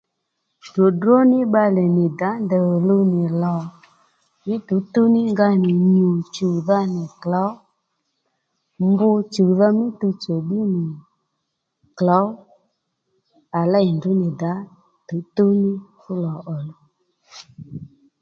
Dròdró ní bbalè nì dǎ ndèy òluw nì lò mí tǔwtǔw ní nga nì nyù chùwdha nì klǒw mb chùwdha mí tuwtsò ddí nì klǒw à lêy ndrǔ nì dǎ tǔwtǔw ní lò òluw